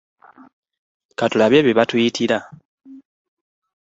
Ka tulabe bye batuyitira.